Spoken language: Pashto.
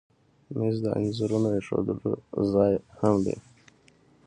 مېز د انځورونو ایښودلو ځای هم دی.